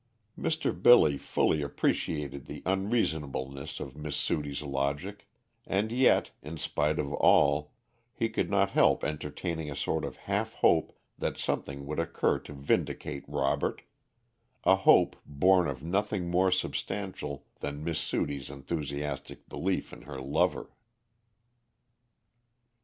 Mr. Billy fully appreciated the unreasonableness of Miss Sudie's logic, and yet, in spite of all, he could not help entertaining a sort of half hope that something would occur to vindicate Robert a hope born of nothing more substantial than Miss Sudie's enthusiastic belief in her lover.